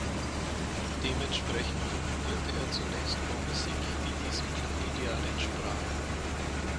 Dementsprechend komponierte er zunächst Chormusik, die diesem Klangideal entsprach.